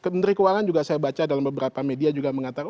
menteri keuangan juga saya baca dalam beberapa media juga mengatakan